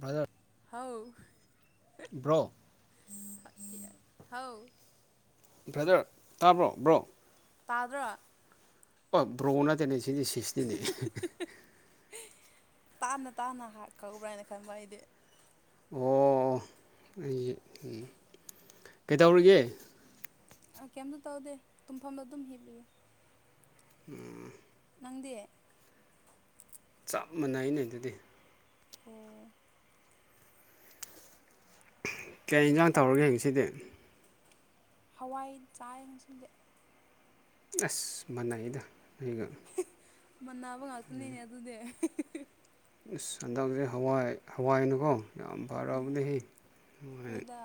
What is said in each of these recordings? ꯗꯔ ꯍꯥꯎ ꯭ꯔꯣ ꯍꯧ ꯕ꯭ꯔꯗꯔ ꯇꯥꯕ꯭ꯔꯣ ꯕ꯭ꯔꯣ ꯇꯥꯗ꯭ꯔꯣ ꯑꯣ ꯭ꯔꯣꯗꯤꯦ ꯅ ꯁꯤꯗꯤ ꯁꯤꯁꯅꯤ ꯅꯅꯦ ꯇꯥꯅ ꯇꯥꯅ ꯍꯥꯀꯧꯕ꯭ꯔ ꯍꯥꯏꯅ ꯈꯟꯕ ꯑꯩꯗꯤ ꯑꯣ ꯑꯣ ꯑꯩꯁꯦ ꯎꯝ ꯀꯩꯗꯧꯔꯤꯒꯦ ꯀꯩꯝꯇ ꯇꯧꯗꯦ ꯇꯨꯝꯐꯝꯗꯣ ꯑꯗꯨꯝ ꯍꯤꯞꯂꯨꯏ ꯎꯝ ꯅꯪꯗꯤꯦ ꯆꯞ ꯃꯥꯟꯅꯩꯩꯅ ꯑꯗꯨꯗꯤ ꯀ ꯀꯌꯥ ꯏꯟꯁꯥꯡ ꯊꯧꯔꯒ ꯌꯦꯡꯁꯤꯗꯤ ꯍꯋꯥꯏ ꯆꯥꯏꯁꯤꯡꯁꯦ ꯑꯁ ꯃꯅꯩꯗ ꯑꯩꯒ ꯃꯅꯥꯕ ꯉꯥꯛꯇꯅꯤꯅꯦ ꯑꯗꯨꯗꯤ ꯍꯟꯗꯛꯁꯦ ꯍꯋꯥꯏ ꯍꯋꯥꯏꯅꯨꯀꯣ ꯌꯥꯝ ꯐꯔꯕꯅꯦ ꯑꯩꯈꯣꯏꯗ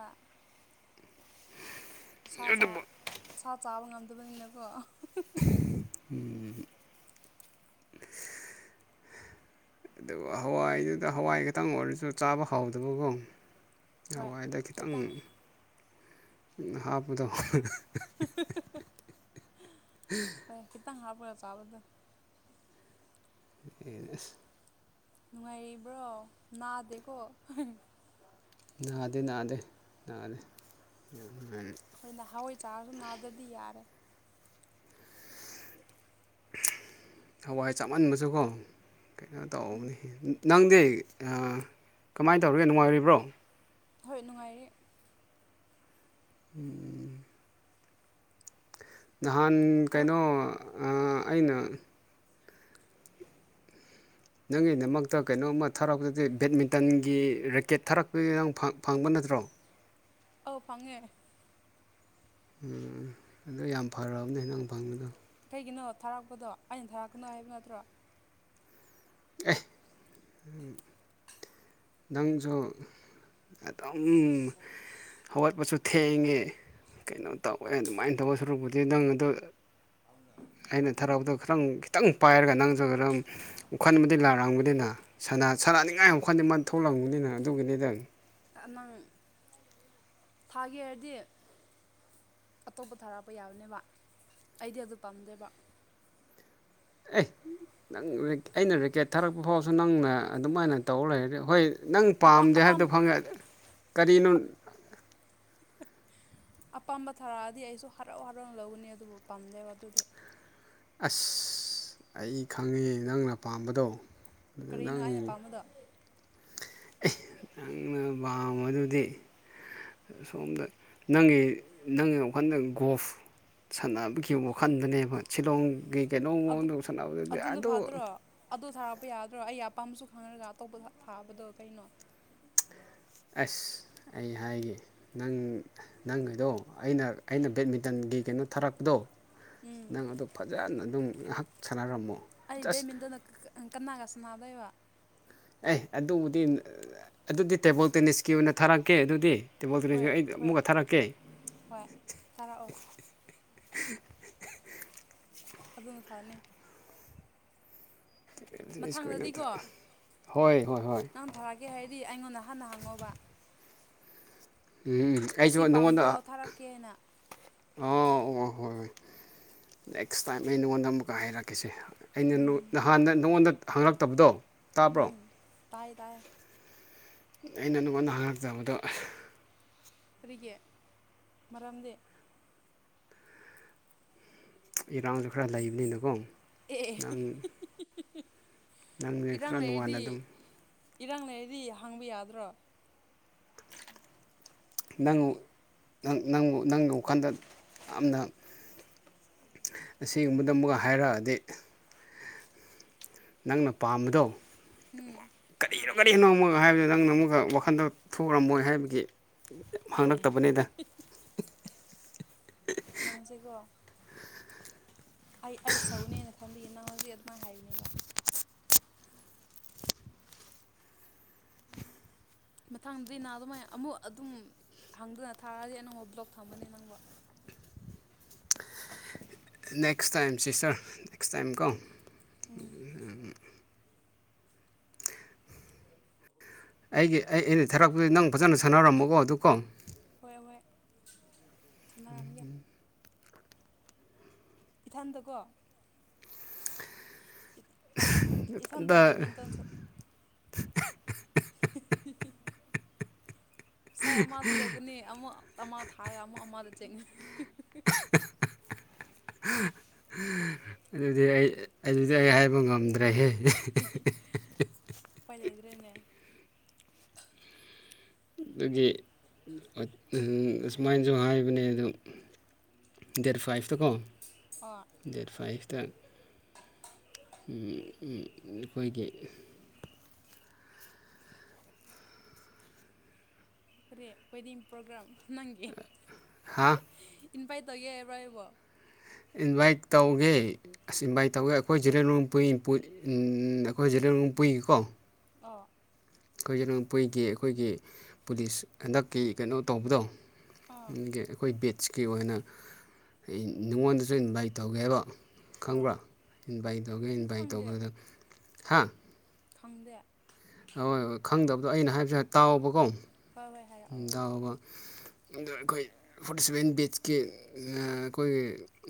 ꯁꯥ ꯁꯥ ꯑꯗꯨꯕꯨ ꯆꯥꯕ ꯉꯝꯗꯕꯅꯤꯅꯀꯣ ꯎꯝ ꯑꯗꯨꯒ ꯍꯋꯥꯏꯗꯨꯗ ꯍꯋꯥꯏ ꯈꯇꯪ ꯑꯣꯏꯔꯁꯨ ꯆꯥꯕ ꯍꯥꯎꯗꯕꯀꯣ ꯍꯋꯥꯏꯗ ꯈꯤꯇꯪ ꯍꯥꯞꯄꯗꯣ [inaudible] ꯍꯣꯏ [unintelligible] ꯑꯦ ꯅꯨꯡꯉꯥꯏꯔꯤꯕ꯭ꯔꯣ ꯅꯥꯗꯦꯀꯣ ꯅꯥꯗꯦ ꯅꯥꯗꯦ ꯅꯥꯗꯦ ꯑꯩꯈꯣꯔꯣꯏ ꯅꯍꯋꯥꯏ ꯆꯥꯒꯁꯨ ꯅꯥꯗ꯭ꯔꯗꯤ ꯌꯥꯔꯦ ꯍꯋꯥꯏ ꯆꯥꯃꯟꯕꯁꯨꯀꯣ ꯀꯩꯅꯣ ꯎꯝ ꯇꯧꯕꯅꯤ ꯅꯪꯗꯤ ꯀꯃꯥꯏꯅ ꯇꯧꯔꯤꯒꯦ ꯅꯨꯡꯉꯥꯏꯔꯤꯕ꯭ꯔꯣ ꯍꯣꯏ ꯅꯨꯡꯉꯥꯏꯔꯤ ꯎꯝ ꯅꯍꯥꯟ ꯍꯋꯥꯏ ꯀꯩꯅꯣ ꯑꯩꯅ ꯅꯪꯒꯤꯗꯃꯛꯇ ꯀꯩꯅꯣꯝꯃ ꯊꯥꯔꯛꯄꯗꯤ ꯕꯦꯠꯃꯤꯟꯇꯟꯒꯤ ꯔꯦꯀꯦꯠ ꯊꯥꯔꯛꯄꯒꯤ ꯅꯪ ꯐꯪꯕ ꯅꯠꯇ ꯀꯨꯗ꯭ꯔꯣꯡ ꯑꯥꯎ ꯐꯉꯦ ꯎꯝ ꯑꯗꯨ ꯌꯥꯝ ꯐꯕꯅꯦ ꯍ ꯅꯪ ꯐꯪꯕꯗꯣ ꯀꯩꯒꯤꯅꯣ ꯊꯥꯔꯛꯄꯗꯣ ꯑꯩꯅ ꯊꯥꯔꯛꯀꯅꯣ ꯍꯥꯏꯕ ꯅꯠꯇ꯭ꯔꯣ ꯑꯦ ꯅꯪꯖꯨ ꯎꯝ ꯍꯋꯥ ꯄꯁꯨ ꯊꯦꯡꯉꯦ ꯀꯩꯅꯣ ꯇꯧꯋꯦ ꯑꯗꯨꯃꯥꯏꯅ ꯇꯧꯔ ꯁꯨꯔꯛꯄꯨꯗꯤ ꯅꯪ ꯑꯗꯣ ꯑꯩꯅ ꯊꯔꯛꯇꯣ ꯈꯤꯇꯪ ꯈꯤꯇꯪ ꯄꯥꯏꯔꯒ ꯅꯪꯁꯨ ꯑꯗꯨꯝ ꯂꯥꯛꯔꯛꯑꯝꯒꯅꯤꯅ ꯁꯔꯅꯤꯡꯉꯥꯏ ꯑꯃꯨꯈꯜꯗꯤ ꯃ ꯊꯣꯛꯂꯝꯕꯅꯤꯅ ꯑꯗꯨꯒꯤꯅꯤꯗꯪ ꯅꯪ ꯊꯥꯒꯦꯔꯗꯤ ꯑꯇꯣꯞꯄ ꯊꯥꯔꯛꯄ ꯌꯥꯕꯅꯦꯕ ꯑꯩꯗꯤ ꯑꯗꯨ ꯄꯥꯝꯗꯦꯕ ꯑꯦ ꯅꯪ ꯑꯩꯅ ꯔꯦꯀꯦꯠ ꯊꯥꯔꯛꯄ ꯐꯥꯎꯁꯨ ꯅꯪꯅ ꯑꯗꯨꯃꯥꯏꯅ ꯇꯧꯔ ꯂꯩꯔꯗꯤ ꯍꯣꯏ ꯅꯪ ꯑꯄꯥꯝ ꯄꯥꯝꯗꯦ ꯑꯄꯥꯝ ꯍꯥꯏꯕꯗꯣ ꯐꯪꯉꯛ ꯀꯔꯤꯅꯣ ꯑꯄꯥꯝꯕ ꯊꯥꯔꯛꯑꯗꯤ ꯑꯩꯁꯨ ꯍꯔꯥꯎ ꯍꯔꯥꯎꯅ ꯂꯧꯒꯅꯤ ꯑꯗꯨꯕꯨ ꯄꯥꯝꯗꯦꯕ ꯑꯗꯨꯗꯤ ꯑꯁ ꯑꯩ ꯈꯪꯉꯦ ꯅꯪꯅ ꯄꯥꯝꯕꯗꯣ ꯑꯗꯨ ꯀꯔꯤꯅꯣ ꯅꯪ ꯑꯩꯅ ꯄꯥꯝꯕꯗꯣ ꯅꯪꯅ ꯄ ꯃꯗꯨꯗꯤ ꯁꯣꯝꯗ ꯅꯪꯒꯤ ꯅꯪꯒꯤ ꯋꯥꯈꯜꯗ ꯒꯣꯐ ꯁꯥꯟꯅꯕꯈꯤꯕ ꯋꯥꯈꯟꯗꯅꯦꯕ ꯁꯤꯂꯣꯡꯩ ꯀꯩꯅꯣꯝ ꯃꯑꯣꯡꯗꯧꯁꯥꯟꯅꯕꯗꯗꯤ ꯑꯗꯨ ꯑꯗꯨꯗ ꯊꯥꯔꯛꯄ ꯌꯥꯗ꯭ꯔꯣ ꯑꯩ ꯑꯄꯥꯝꯕꯁꯨ ꯈꯪꯅꯔꯒ ꯑꯇꯣꯞꯄ ꯊꯥꯕꯗꯣ ꯀꯩꯅꯣ ꯑꯁ ꯑꯩ ꯍꯥꯏꯒꯦ ꯅꯪ ꯅꯪ ꯍꯥꯏꯗꯣ ꯑꯩꯅ ꯑꯩꯅ ꯕꯦꯠꯃꯤꯟꯇꯟꯒꯤ ꯀꯩꯅꯣ ꯊꯥꯔꯛꯄꯗꯣ ꯎꯝ ꯅꯪ ꯑꯗꯨ ꯐꯖꯅ ꯑꯗꯨꯝ ꯉꯥꯏꯍꯥꯛ ꯁꯥꯟꯅꯔꯝꯃꯣ ꯑꯩ ꯖꯁ ꯕꯦꯃꯤꯟꯇꯅ ꯀꯅꯥꯒꯁ ꯅꯥꯗꯣꯏꯕ ꯑꯦ ꯑꯗꯨꯕꯨꯗꯤ ꯑꯗꯨꯗꯤ ꯇꯦꯕꯜ ꯇꯦꯅꯤꯁꯀꯤ ꯑꯣꯏꯅ ꯊꯥꯔꯛꯀꯦ ꯑꯗꯨꯗꯤ ꯇꯦꯕꯜ ꯍꯣꯏ ꯇꯦꯅꯤꯁꯀꯤ ꯑꯩ ꯍꯣꯏ ꯑꯃꯨꯛꯀ ꯊꯥꯔꯛꯀꯦ ꯍꯣꯏ ꯇꯥꯔꯛꯑꯣ [inaudible] ꯑꯗꯨꯝꯕ ꯐꯥꯅꯤ ꯇꯦꯅꯤꯁꯀꯤ ꯑꯣꯏꯅ ꯃꯊꯪꯗꯗꯤꯀꯣ ꯍꯣꯏ ꯍꯣꯏ ꯍꯣꯏ ꯅꯪ ꯊꯥꯔꯛꯀꯦ ꯍꯥꯏꯗꯤ ꯑꯩꯉꯣꯟꯗ ꯍꯥꯟꯅ ꯍꯥꯡꯉꯣꯕ ꯎꯝ ꯑꯩꯁꯨ ꯅꯉꯣꯟꯗ ꯄꯥꯝꯕ꯭ꯔꯣ ꯊꯥꯔꯛꯀꯦ ꯍꯥꯏꯅ ꯑꯣ ꯑꯣ ꯍꯣꯏ ꯍꯣꯏ ꯅꯦꯛꯁ ꯇꯥꯏꯝ ꯑꯩ ꯅꯉꯣꯟꯗ ꯑꯃꯨꯛꯀ ꯍꯥꯏꯔꯛꯈꯤꯁꯦ ꯑꯩꯅ ꯎꯝ ꯅꯍꯥꯟꯗ ꯅꯉꯣꯟꯗ ꯍꯪꯂꯛꯇꯕꯗꯣ ꯇꯥꯕ꯭ꯔꯣ ꯇ ꯇ ꯑꯩꯅ ꯅꯉꯣꯟꯗ ꯍꯪꯉꯆꯕꯗꯣ ꯔꯤꯒꯦ ꯃꯔꯥꯡꯗꯦ ꯏꯔꯥꯡꯁꯨ ꯈꯔ ꯂꯩꯕꯅꯤꯅꯀꯣ ꯑꯦ ꯑꯦ ꯅꯪ ꯅꯪꯁꯦ ꯏꯔꯥꯡ ꯈꯔ ꯅꯨꯡꯉꯥꯏꯅ ꯂꯩꯔꯗꯤ ꯑꯗꯨꯝ ꯏꯔꯥꯡ ꯂꯩꯔꯩꯗꯤ ꯍꯥꯡꯕ ꯌꯥꯗ꯭ꯔꯣ? ꯅꯪꯪ ꯅꯪ [unintelligible] ꯌꯥꯝꯅ ꯑꯁꯤꯒꯨꯝꯕꯗ ꯑꯃꯨꯛꯒ ꯍꯥꯏꯔꯛꯑꯗꯤ ꯅꯪꯅ ꯄꯥꯝꯕꯗꯣ ꯎꯝ ꯀꯤꯔꯣ ꯀꯔꯤꯅꯣ ꯑꯃꯨꯛ ꯍꯥꯏꯕꯗꯨꯣ ꯅꯪꯅ ꯑꯃꯨꯛꯒ ꯋꯥꯈꯟꯗ ꯊꯣꯛꯔꯝꯃꯣꯏ ꯍꯥꯏꯕꯒꯤ ꯑꯦ ꯑꯦ ꯍꯥꯡꯉꯛꯇꯕꯅꯤꯗ ꯅꯪꯖꯩꯀꯣ ꯑꯩ ꯑꯩ ꯁꯧꯅꯦꯅ ꯈꯟꯕꯤꯌꯦ ꯅꯪ ꯍꯧꯖꯤꯛ ꯑꯗꯨꯃꯥꯏꯅ ꯍꯥꯏꯕꯅꯦꯕ ꯃꯊꯥꯡꯗꯗꯤ ꯅꯍ ꯑꯗꯨꯃꯥꯏꯅ ꯑꯃꯨꯛ ꯑꯗꯨꯝ ꯍꯪꯗꯅ ꯊꯥꯔꯛꯗꯤ ꯅꯪꯕ ꯕ꯭ꯂꯣꯛ ꯊꯝꯒꯅꯤ ꯅꯪꯕ ꯅꯦꯛꯁ ꯇꯥꯏꯝꯁꯤ ꯁꯔ ꯅꯦꯛꯁ ꯇꯥꯏꯝ ꯀꯣ ꯎꯝ ꯑꯩꯒꯤ ꯑꯩ ꯑꯩꯅ ꯊꯥꯔꯛꯄꯗ ꯅꯪ ꯐꯖꯅ ꯁꯥꯟꯅꯔꯃꯀꯣ ꯑꯗꯨ ꯀꯣ ꯅꯒ ꯏꯊꯝꯇꯀꯣ ꯏꯗ ꯗ [unintelligible] ꯁꯥꯏ ꯑꯃꯗ ꯂꯦꯞꯀꯅꯤ ꯑꯃꯨ ꯑꯃ ꯊꯥꯔꯒ ꯑꯃꯨꯛ ꯑꯃꯗ ꯆꯦꯟꯒꯅꯤ ꯑꯗꯨꯗꯤ ꯑꯩ ꯑꯗꯨꯗꯤ ꯑꯩ ꯍꯥꯏꯕ ꯉꯝꯗ꯭ꯔꯦꯍꯦ ꯎ ꯄꯥꯏ ꯂꯩꯗ꯭ꯔꯦꯅꯦ ꯑꯗꯨꯒꯤ ꯑꯁꯨꯃꯥꯏꯅꯁꯨ ꯍꯥꯏꯕꯅꯦ ꯑꯗꯨꯣ ꯗꯦꯠ ꯐꯥꯏꯚꯇꯀꯣ ꯑꯣ ꯗꯦꯠ ꯐꯥꯏꯚꯇ ꯑꯩꯈꯣꯏꯒꯤ ꯑꯦ ꯑꯣꯏꯣꯏꯗꯤ ꯄ꯭ꯔꯣꯒ꯭ꯔꯥꯝ ꯅꯪꯦ ꯍꯥꯥ ꯏꯟꯐꯥꯏ ꯇꯧꯒꯦ ꯍꯥꯏꯕꯣ ꯍꯥꯏꯕꯣ ꯏꯟꯚꯥꯏꯠ ꯇꯧꯒꯦ ꯑꯁ ꯏꯟꯚꯥꯏꯠ ꯇꯧꯒꯦ ꯑꯩꯈꯣꯏ ꯖꯤꯔꯦꯣꯡ ꯑꯩꯈꯣꯏ ꯖꯤꯔꯦ ꯄꯨꯏꯉꯀꯣ ꯑꯣ ꯑꯩꯈꯣꯏꯁꯦꯅ ꯀꯨꯏꯒꯤ ꯑꯩꯈꯣꯏꯒꯤ ꯄꯨꯂꯤꯁ ꯍꯟꯗꯛꯀꯤ ꯀꯩꯅꯣ ꯇꯧꯕꯗꯣ ꯑꯥ ꯑꯩꯈꯣꯏ ꯕꯠꯁꯀꯤ ꯑꯣꯏꯅ ꯉꯣꯟꯗꯁꯨ ꯏꯟꯚꯥꯏꯠ ꯇꯧꯒꯦꯕ ꯑꯥ ꯈꯪꯕ꯭ꯔꯣ ꯏꯟꯚꯥꯏꯠ ꯇꯧꯒꯦ ꯎꯝ ꯏꯟꯚꯥꯏꯠ ꯈꯪꯗꯦ ꯇꯧꯕꯒꯗꯨꯗ ꯍꯥ ꯈꯪꯗꯦ ꯍꯣꯏ ꯍꯣꯏ ꯈꯪꯗꯕꯗꯣ ꯑꯩꯅ ꯍꯥꯏꯕꯁꯨ ꯍꯥꯏ ꯇꯥꯎꯕꯀꯣ ꯍꯣꯏ ꯍꯣꯏ ꯍꯥꯏꯔꯛꯑꯣ ꯗꯥꯕ ꯑꯗ ꯑꯩꯈꯣꯏ ꯐꯣꯔꯇꯤ ꯁꯚꯦꯟ ꯕꯤꯁꯀꯤ ꯑꯩꯈꯣꯏꯒꯤ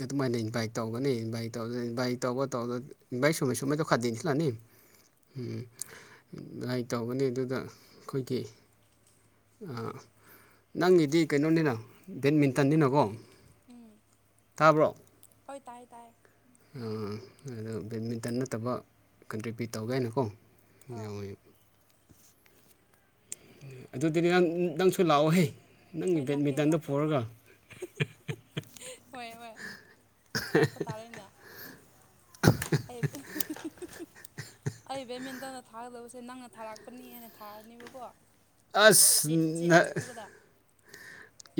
ꯑꯗꯨꯃꯥꯏꯅ ꯏꯟꯚꯥꯏꯠ ꯇꯧꯒꯅꯤ ꯑ ꯕꯥꯏ ꯇꯧꯗ ꯕꯥꯏ ꯇꯧꯥꯎꯕ ꯇꯧꯗ ꯏ ꯁꯃꯩ ꯁꯃꯥꯏ ꯇ ꯈꯥꯅꯤꯣ ꯂꯅꯤ ꯎꯝ ꯂꯥꯏꯛ ꯇꯧꯕꯅꯤ ꯑꯗꯨꯗ ꯑꯩꯈꯣꯏꯒꯤ ꯑ ꯅꯪꯒꯤꯗꯤ ꯀꯩꯅꯣꯅꯤꯅ ꯀꯔꯤ ꯕꯦꯠꯃꯤꯟꯇꯟꯅꯤꯅꯀꯣ ꯎꯝ ꯇꯥꯕ꯭ꯔꯣ ꯍꯣꯏ ꯇꯥꯏ ꯇꯥꯏ ꯑꯗꯣ ꯕꯦꯗꯃꯤꯟꯇꯟ ꯅꯠꯇꯕ ꯀꯟꯇ꯭ꯔꯤꯕ꯭ꯌꯨꯠ ꯇꯧꯒꯦ ꯍꯥꯏꯅꯀꯣ ꯑꯥ ꯌꯥꯎ ꯑꯣꯏ ꯑꯗꯨꯗꯤ ꯅꯪ ꯅꯪꯁꯨ ꯂꯥꯛꯑꯣꯍꯦ ꯅꯪꯒꯤ ꯍꯣꯏ ꯂꯥꯛꯀꯦ ꯕꯦꯠꯃꯤꯟꯇꯟꯗꯣ ꯂꯥꯛꯀꯦ ꯄꯨꯔꯒ ꯍꯣꯏ ꯍꯣꯏ ꯂꯥꯛꯄ ꯇꯥꯔꯦꯅꯦ ꯑꯩ ꯑꯩ ꯕꯦꯠꯃꯤꯟꯇꯟꯗ ꯊꯥꯒꯗꯕꯁꯦ ꯅꯪꯅ ꯊꯥꯔꯛꯄꯅꯤ ꯍꯦꯅ ꯊꯥꯔꯅꯦꯕꯀꯣ ꯑꯁ ꯆꯦ ꯆꯦ ꯅ ꯑꯆꯧꯕꯗ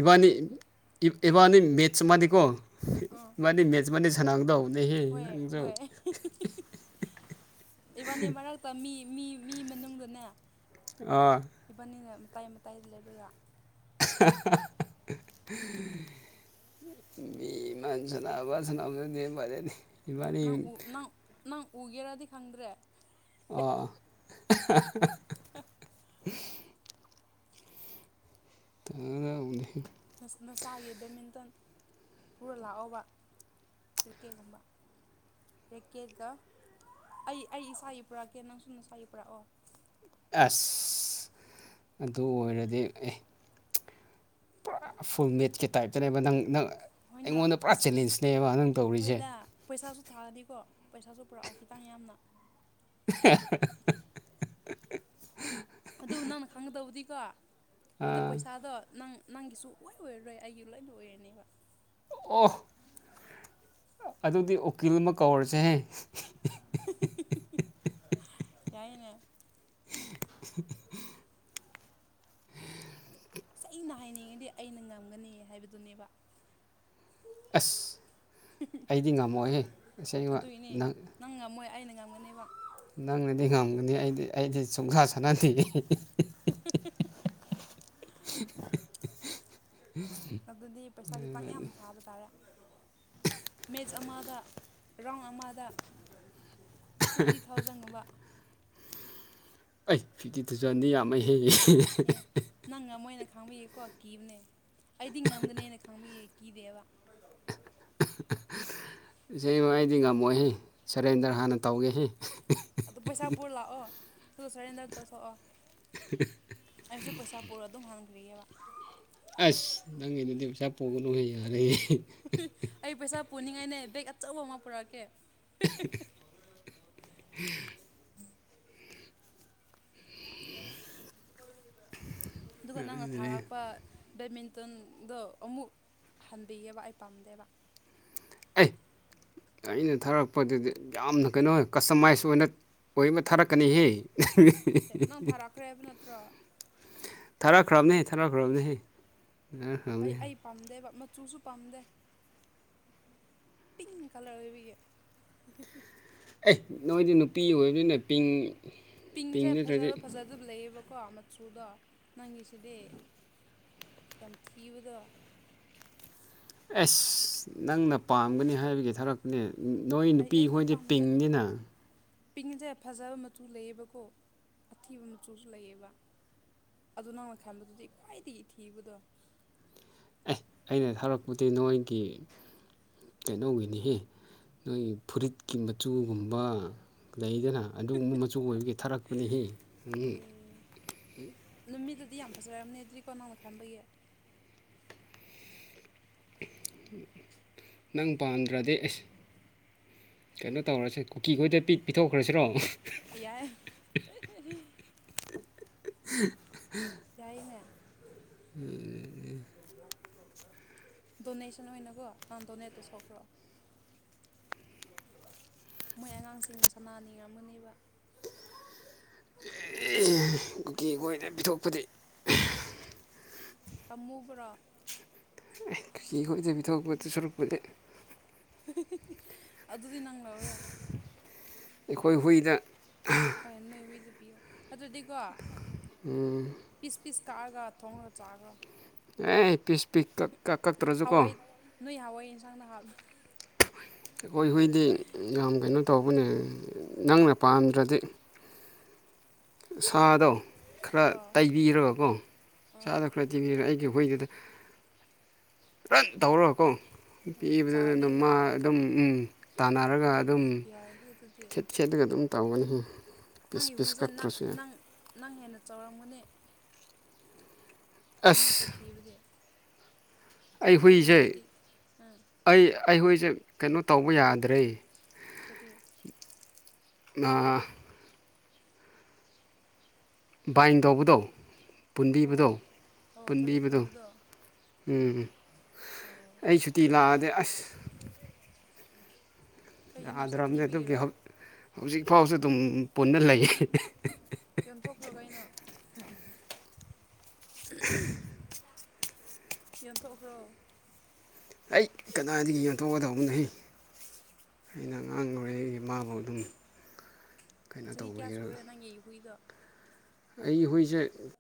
ꯏꯕꯥꯅꯤ ꯏꯕꯥꯅꯤ ꯃꯦꯠꯁ ꯃꯥꯗꯤꯀꯣ ꯑꯥ ꯏꯕꯥꯅꯤ ꯃꯦꯠꯁ ꯃꯥꯗꯤ ꯁꯅꯥꯥꯡꯗꯕ ꯍꯣꯏ ꯍꯣꯏ ꯏꯕꯥꯅꯤ ꯃꯔꯛꯇꯝꯃꯤ ꯃꯤ ꯃꯤ ꯃꯅꯨꯡꯗꯗꯨꯅꯦ ꯑꯥ ꯃꯇꯥꯏ ꯃꯇꯥꯏꯗ ꯂꯩꯕꯒ [unintelligible] ꯃꯤꯕꯤꯃꯁꯅ ꯑꯕ ꯁꯅꯎꯗꯗꯤ ꯐꯔꯦꯅꯤ ꯅꯪ ꯅꯪ ꯅꯪ ꯎꯒꯦꯔꯗꯤ ꯈꯪꯗ꯭ꯔꯦ ꯑ ꯑ [unintelligible] ꯑꯎꯅꯦ ꯅꯁꯥꯒꯤ ꯕꯦꯠꯃꯤꯟꯇꯟ ꯄꯨꯔ ꯂꯥꯛꯑꯣꯕ ꯄ꯭ꯔꯤꯀꯦꯒꯨꯝꯕ ꯔꯦꯀꯦꯗ ꯑꯩ ꯑꯩ ꯏꯁꯥꯒꯤ ꯄꯨꯔꯛꯀꯦ ꯅꯪ ꯁꯨꯝꯅ ꯏꯁꯥꯒꯤ ꯄꯨꯔꯛꯑꯣ ꯑꯁ ꯑꯗꯨ ꯑꯣꯏꯔꯗꯤ ꯑꯦ ꯐꯨꯜ ꯃꯦꯠꯀꯤ ꯇꯥꯏꯞꯇꯅꯦꯕ ꯅꯪ ꯅꯪ ꯍꯣꯏꯅ ꯑꯩꯉꯣꯟꯗ ꯄꯨꯔꯥ ꯄꯩꯁꯥ ꯆꯦꯂꯦꯟꯖꯅꯦꯕ ꯅꯪ ꯇꯧꯔꯤꯁꯦ ꯍꯣꯏꯗ ꯄꯩꯁꯥꯁꯨ ꯊꯥ ꯄꯩꯁꯥꯁꯨ ꯄꯨꯔꯛꯎ ꯈꯤꯇꯪ ꯌꯥꯝꯅ [unintelligible] ꯑꯗꯨ ꯅꯪꯅ ꯈꯪꯒꯗꯕꯨꯗꯤꯀꯣ ꯑꯗꯨ ꯑꯥ ꯄꯩꯁꯥꯗꯣ ꯅꯪ ꯅꯪꯒꯤꯁꯨ ꯂ ꯑꯣꯏꯔꯔꯣꯏ ꯑꯩꯒꯤ ꯂꯣꯏ ꯂ ꯑꯣꯏꯔꯅꯦꯕ ꯑꯣꯐ ꯑꯗꯨꯗꯤ ꯎꯀꯤꯜ ꯑꯃ ꯀꯧꯔꯁꯦ ꯌꯥꯏꯅꯦ [unintelligible] ꯑ ꯑꯩꯅ ꯍꯥꯏꯅꯤꯡꯉꯤꯗꯤ ꯑꯩꯅ ꯉꯝꯒꯅꯤ ꯍꯥꯏꯕꯗꯨꯅꯦꯕ ꯑꯁ ꯑꯩꯗꯤ ꯉꯝꯃꯣꯍꯦ ꯉꯁ ꯅꯪ ꯃꯌꯥꯝꯥꯡ ꯃꯅꯨꯡꯕꯣ ꯅꯪꯅꯗꯤ ꯉꯝꯒꯅꯤ ꯑꯩꯗꯤ ꯑꯩꯗꯤ ꯁꯨꯡꯁꯥ ꯁꯥꯟꯅꯗꯦ [unintelligible] ꯑꯗꯨꯗꯤ ꯄꯩꯁꯥ ꯈꯤꯇꯥꯛ ꯌꯥꯝ ꯑꯩ ꯊꯥꯕ ꯇꯥꯔꯦ ꯃꯦꯆ ꯑꯃꯗ ꯔꯥꯎꯟ ꯑꯃꯗ ꯐꯤꯐꯇꯤ ꯊꯥꯎꯖꯟꯒꯨꯝꯕ ꯎ ꯑꯩ ꯐꯤꯐꯇꯤ ꯊꯥꯎꯖꯟꯗꯤ ꯌꯥꯝꯃ ꯍꯦꯛ ꯈꯥꯡꯕꯌꯦꯀꯣ ꯀꯤꯕꯅꯦ ꯑꯩꯗꯤ ꯉꯝꯒꯅꯦꯅ ꯈꯪꯕꯌꯦ ꯀꯗꯦꯕ ꯏꯆꯃ ꯑꯩꯗꯤ ꯉꯝꯃꯣꯏꯍ ꯁꯔꯦꯟꯗꯔ ꯍꯥꯟꯅ ꯇꯧꯒꯦ ꯑꯗꯨ ꯄꯩꯁꯥ ꯄꯨꯔ ꯂꯥꯛꯑꯣ ꯑꯗꯨ ꯁꯔꯦꯟꯗꯔ ꯇꯧ ꯁꯣꯛꯑꯣ ꯑꯩꯁꯨ ꯄꯩꯁꯥ ꯄꯨꯔ ꯑꯗꯨꯝ ꯍꯟꯈ꯭ꯔꯤꯑꯕ ꯑꯁ ꯅꯪꯒꯤꯩꯅꯗꯤ ꯄꯩꯁꯥ ꯄꯨꯒꯅꯨ ꯍꯥꯏ ꯌꯥꯔꯦ ꯑꯩ ꯄꯩꯁꯥ ꯄꯨꯅꯤꯡꯉꯥꯏꯅꯦ ꯕꯦꯛ ꯑꯆꯧꯕ ꯑꯃ ꯄꯨꯔꯛꯑꯀꯦ [unintelligible] ꯑꯗꯨꯒ ꯅꯪꯅ ꯊꯥꯔꯛꯄ ꯕꯦꯠꯃꯤꯟꯇꯟꯗꯣ ꯑꯃꯨꯛ ꯍꯟꯕꯤꯌꯦꯕ ꯑꯩ ꯄꯥꯝꯗꯦꯕ ꯑꯦ ꯑꯩꯅ ꯊꯥꯔꯛꯄꯗꯗꯤ ꯌꯥꯝꯅ ꯀꯩꯅꯣ ꯀꯁꯇꯃꯥꯏꯖ ꯑꯣꯏꯅ ꯑꯣꯏꯃ ꯊꯥꯔꯛꯀꯅꯤꯍꯦ ꯑꯦ ꯅꯪ ꯊꯥꯔꯛꯈ꯭ꯔꯦ ꯍꯥꯏꯕ ꯅꯠꯇ꯭ꯔꯣ ꯊꯥꯔꯛꯈ꯭ꯔꯕꯅꯦꯍ ꯊꯥꯔꯛꯈ꯭ꯔꯕꯅꯦꯍ ꯑꯩ ꯑꯩ ꯄꯥꯝꯗꯦꯕ ꯃꯆꯨꯁꯨ ꯄꯥꯝꯗꯦ ꯀꯤꯡ ꯀꯂꯔꯕꯤ ꯑꯦ ꯅꯣꯏꯗꯤ ꯅꯨꯄꯤ ꯑꯣꯏꯕꯅꯤꯅ ꯄꯤꯡ ꯄꯤꯡ ꯄꯤꯡꯁꯦ ꯅꯠꯇ꯭ꯔꯗꯤ ꯐꯖꯕ ꯐꯖꯗꯕ ꯂꯩꯌꯦꯕꯀꯣ ꯃꯆꯨꯗꯣ ꯅꯪꯒꯤꯁꯤꯗꯤ ꯌꯥꯝ ꯊꯤꯕꯗ ꯑꯁ ꯅꯪꯅ ꯄꯥꯝꯒꯅꯤ ꯍꯥꯏꯕꯒꯤ ꯊꯔꯛꯄꯅꯦ ꯅꯣꯏ ꯅꯨꯄꯤꯈꯣꯏꯗꯤ ꯄꯤꯡꯁꯤꯅ ꯄꯤꯡꯉꯁꯦ ꯐꯖꯕ ꯃꯆꯨ ꯂꯩꯌꯦꯕꯀꯣ ꯑꯊꯤꯕ ꯃꯆꯨꯁꯨ ꯂꯩꯑꯕ ꯑꯗꯨ ꯅꯪꯅ ꯈꯟꯕꯗꯨꯗꯤ ꯈ꯭ꯋꯥꯏꯗꯒꯤꯊꯤꯕꯗꯣ ꯑꯦ ꯑꯩꯅ ꯊꯔꯛꯄꯨꯗꯤ ꯅꯣꯏꯒꯤ ꯀꯩꯅꯣꯒꯤꯅꯤꯍꯦ ꯅꯣꯏꯒꯤ ꯐꯨꯔꯤꯠꯀꯤ ꯃꯆꯨꯒꯨꯝꯕ ꯂꯩꯗꯅ ꯑꯗꯨꯒꯨꯝꯕ ꯃꯆꯨ ꯑꯣꯏꯕꯒꯤ ꯊꯥꯔꯛꯄꯅꯤ ꯍ ꯎꯝ ꯑꯗꯨꯗꯤ ꯌꯥꯝ ꯐꯖꯔꯕꯅꯦ ꯑꯗꯨ꯭ꯔꯤꯀꯣ ꯅꯪꯅ ꯈꯔꯝꯕꯩꯌꯦ ꯅꯪ ꯄꯥꯝꯗ꯭ꯔꯗꯤ ꯑꯩꯁ ꯀꯩꯅꯣ ꯇꯧꯔꯁꯦ ꯀꯨꯀꯤꯈꯣꯏꯗ ꯄꯤ ꯄꯤꯊꯣꯛꯈ꯭ꯔꯁꯤꯔꯣ ꯌꯥꯏ [unintelligible] ꯌꯥꯏꯅ ꯑꯦ ꯗꯣꯅꯦꯁꯟ ꯑꯣꯏꯅꯀꯣ ꯅꯟ ꯗꯣꯅꯦꯠ ꯇꯧꯊꯣꯛꯈ꯭ꯔꯣ ꯃꯣꯏ ꯑꯉꯥꯡꯁꯤꯡ ꯁꯥꯟꯅꯥꯅꯤꯡꯔꯝꯃꯅꯦꯕ ꯀꯨꯀꯤ ꯀꯣꯏꯅ ꯄꯤꯊꯣꯛꯄꯗꯤ ꯇꯃꯨꯕ꯭ꯔꯣ ꯀꯀꯤ ꯈꯣꯏꯗꯕꯤ ꯊꯣꯛꯄꯗ ꯁꯔꯨꯛꯄꯗꯤ ꯑꯗꯨꯗꯤ ꯅꯪ ꯂꯧꯔꯣ ꯑꯩꯈꯣꯏ ꯍꯨꯏꯗ ꯍꯣꯏ ꯅꯣꯏ ꯨꯏꯗ ꯄꯤꯌꯣ ꯑꯗꯨꯗꯤꯀꯣ ꯎꯝ ꯄꯤꯁ ꯄꯤꯁ ꯀꯛꯑꯒ ꯊꯣꯡꯈ꯭ꯔ ꯆꯥꯈ꯭ꯔ ꯑꯦ ꯄꯤꯁ ꯄꯤꯁ ꯀꯛꯇ꯭ꯔꯁꯨ ꯀꯣ ꯄꯁꯥꯡꯅ ꯍꯥꯏꯕ ꯑꯩꯈꯣꯏ ꯍꯨꯏꯗꯤ ꯌꯥꯝ ꯀꯩꯅꯣ ꯇꯧꯕꯅꯦ ꯅꯪꯅ ꯄꯥꯝꯗ꯭ꯔꯗꯤ ꯁꯥꯗꯣ ꯈꯔ ꯑꯣ ꯇꯩꯕꯤꯔꯕꯀꯣ ꯆꯥꯗꯣ ꯑꯥ ꯈꯔ ꯇꯤꯕꯤꯔ ꯑꯩꯒꯤ ꯍꯍꯣꯏꯗꯨ ꯔꯟ ꯇꯧꯔꯣ ꯀꯣ ꯄꯤꯕꯗꯨꯗ ꯑꯗꯨꯝ ꯆꯥꯔꯅꯦꯕ ꯃꯥ ꯑꯗꯨꯝ ꯎꯝ ꯇꯥꯟꯅꯔ ꯈꯔꯒ ꯑꯗꯨꯝ ꯌꯥꯏꯍꯦ ꯑꯗꯨꯗꯤ ꯁꯦꯠ ꯁꯦꯠꯂꯒ ꯑꯗꯨꯝ ꯇꯧꯒꯅꯤ ꯄꯤꯁ ꯅꯪꯒꯤ ꯄꯤꯁ ꯍꯨꯏꯁꯦ ꯅꯪ ꯀꯛꯇ꯭ꯔꯁꯨ ꯌꯥꯏ ꯅꯪ ꯅꯪ ꯍꯦꯟꯅ ꯆꯥꯎꯔꯝꯒꯅꯤ ꯑꯗꯨꯕꯨ ꯁꯥꯛ ꯑꯁ ꯊꯤꯕꯗꯤ ꯑꯩ ꯁꯥꯊꯤꯕꯨ ꯍꯖꯗꯤ ꯑꯩꯍꯣꯏꯁꯦ ꯀꯩꯅꯣ ꯇꯧꯕ ꯌꯥꯗ꯭ꯔꯦ ꯀꯔꯤ ꯅ ꯕꯥꯏꯟ ꯇꯧꯕꯗꯣ ꯄꯨꯟꯕꯤꯕꯗꯣ ꯑꯣ ꯑꯣ ꯊꯧꯔꯤ ꯄꯨꯟꯕꯤꯕꯗꯣ ꯄꯨꯟꯕꯗꯣ ꯎꯝ ꯑꯣ ꯑꯩ ꯁꯨꯇꯤ ꯂꯥꯛꯑꯗꯤ ꯑꯁ ꯀꯩꯒꯤꯅꯣ ꯌꯥꯗ꯭ꯔꯕꯅꯤ ꯑꯗꯨꯒꯤ ꯁꯥꯊꯤꯕꯒꯤꯔ ꯍꯧꯖꯤꯛ ꯐꯥꯎꯁꯨ ꯑꯗꯨꯝ ꯄꯨꯟꯅ ꯂꯩ ꯎ [inaudible] ꯌꯣꯟꯊꯣꯛꯈ꯭ꯔꯣ ꯑꯩ ꯀꯗꯥꯏꯗꯒꯤ ꯌꯣꯟꯊꯣꯛꯀꯗꯧꯕꯅꯍ ꯑꯩꯅ ꯑꯉꯥꯡꯉꯔꯤꯦ ꯃꯥꯕꯨ ꯑꯗꯨꯝ ꯀꯩꯅꯣ ꯆꯍꯤ ꯀꯌꯥ ꯁꯨꯔꯦ ꯇꯧꯕꯤꯔꯒ ꯅꯪꯒꯤ ꯍꯨꯏꯗꯣ ꯑꯩꯈꯣꯏꯁꯦ